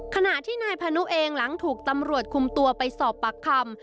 ขณะที่นายพานุเองหลังถูกตำรวจคุมตัวไปสอบปากคำ